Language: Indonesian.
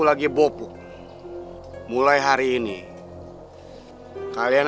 jawab dinda naungulan